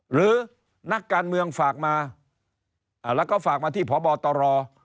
หรือนักการเมืองฝากมาแล้วก็ฝากมาที่พบตร